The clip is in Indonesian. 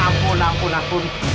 ampun ampun ampun